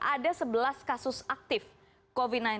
ada sebelas kasus aktif covid sembilan belas